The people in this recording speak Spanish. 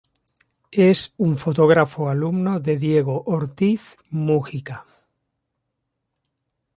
Es un fotógrafo alumno de Diego Ortiz Mugica.